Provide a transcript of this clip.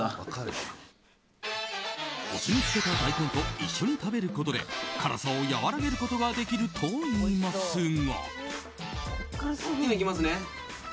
お酢に漬けた大根と一緒に食べることで辛さを和らげることができるといいますが。